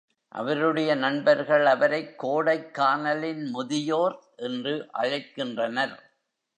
அவருடைய நண்பர்கள் அவரைக் கோடைக்கானலின் முதியோர் என்று அழைக்கின்றனர்.